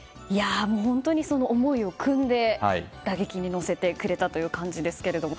本当に思いを汲んで打撃に乗せてくれたという感じですけれども。